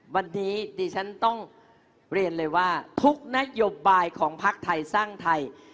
วันนี้ดิฉันต้องเรียนเลยว่าทุกนโยบายของพักไทยสร้างไทย